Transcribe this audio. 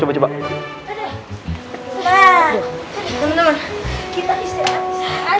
teman teman kita istirahat